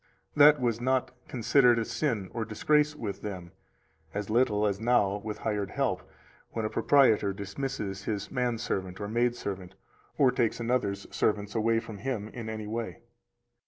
That was not considered a sin nor disgrace with them; as little as now with hired help, when a proprietor dismisses his man servant or maid servant, or takes another's servants from him in any way.